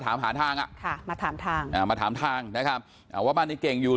ถามหาทางอ่ะค่ะมาถามทางอ่ามาถามทางนะครับอ่าว่าบ้านในเก่งอยู่